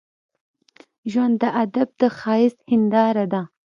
ژبه د ادب د ښايست هنداره ده